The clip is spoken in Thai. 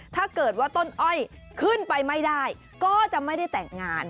ถ้าเกิดว่าต้นอ้อยขึ้นไปไม่ได้ก็จะไม่ได้แต่งงาน